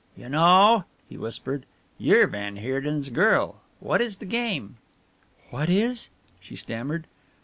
"You know," he whispered, "you're van Heerden's girl what is the game?" "What is ?" she stammered.